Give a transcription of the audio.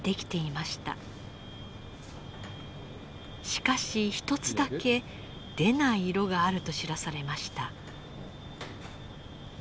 しかし一つだけ出ない色があると知らされました。